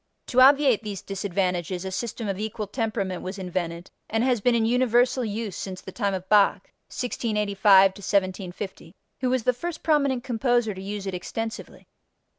To obviate these disadvantages a system of equal temperament was invented and has been in universal use since the time of Bach (1685 1750) who was the first prominent composer to use it extensively.